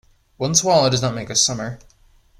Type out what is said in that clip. One swallow does not make a summer.